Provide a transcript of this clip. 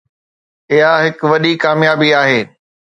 اها هڪ وڏي ڪاميابي آهي.